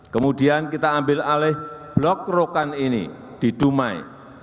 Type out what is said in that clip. kemudian kita ambil alih blok rokan ini di dumai